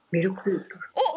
おっ！